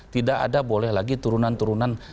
tidak ada boleh lagi turunan turunan